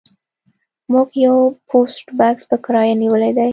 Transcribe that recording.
موږ یو پوسټ بکس په کرایه نیولی دی